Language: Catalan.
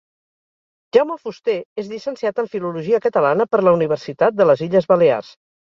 Jaume Fuster és llicenciat en Filologia Catalana per la Universitat de les Illes Balears.